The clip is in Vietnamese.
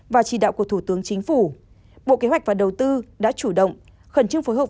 và chỉ đạo của thủ tướng chính phủ bộ kế hoạch và đầu tư đã chủ động khẩn trương phối hợp